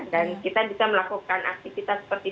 dan kita bisa melakukan aktivitas seperti ini